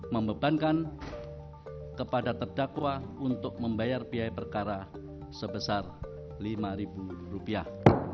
membebankan kepada terdakwa untuk membayar biaya perkara sebesar lima rupiah